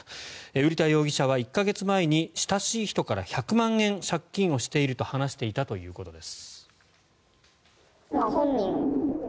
瓜田容疑者は１か月前に親しい人から１００万円借金していると話していたということです。